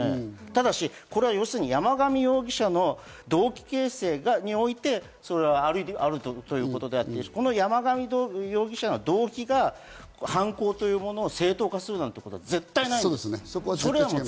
ただし山上容疑者の動機形成においてあるということであって山上容疑者の動機が犯行というものを正当化することは絶対ないです。